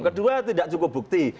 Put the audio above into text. kedua tidak cukup bukti